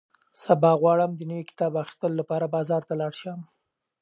سبا غواړم د نوي کتاب د اخیستلو لپاره بازار ته لاړ شم.